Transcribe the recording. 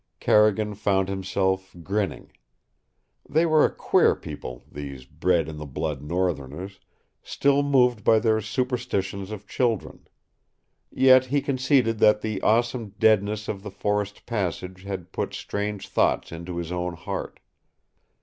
Carrigan found himself grinning. They were a queer people, these bred in the blood northerners still moved by the superstitions of children. Yet he conceded that the awesome deadness of the forest passage had put strange thoughts into his own heart.